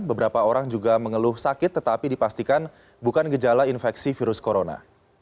beberapa orang juga mengeluh sakit tetapi dipastikan bukan gejala infeksi virus corona